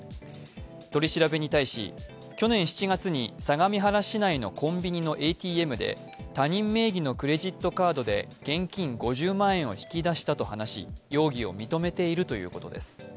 取り調べに対し、去年７月に相模原市内のコンビニのＡＴＭで他人名義のクレジットカードで現金５０万円を引き出したと話し、容疑を認めているということです。